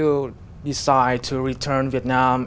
quyết định quay về việt nam